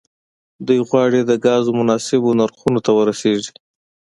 دوی غواړي د ګازو مناسبو نرخونو ته ورسیږي